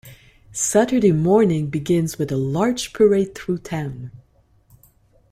Saturday morning begins with a large parade through town.